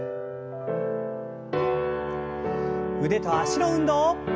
腕と脚の運動。